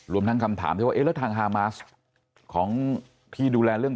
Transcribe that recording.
รวมทั้งคำถามเอ้ยแล้วทางฮามาสของพี่ดูแลเรื่อง